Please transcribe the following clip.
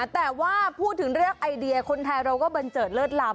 แต่ว่าพูดถึงเรื่องไอเดียคนไทยเราก็บันเจิดเลิศล้ำ